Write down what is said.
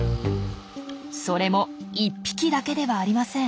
それも１匹だけではありません。